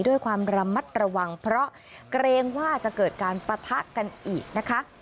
ด้วยความระมัดระวังเพราะเกรงว่าจะเกิดการปะทะกันอีกนะคะ